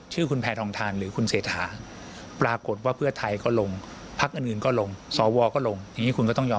จะต้องเสนอแบบช่วย